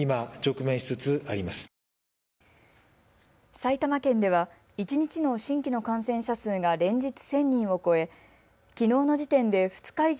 埼玉県では一日の新規の感染者数が連日１０００人を超えきのうの時点で２日以上、